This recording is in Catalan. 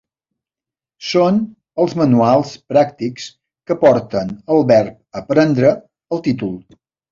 Són els manuals pràctics que porten el verb aprendre al títol.